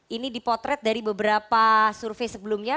ini dipotret dari beberapa survei sebelumnya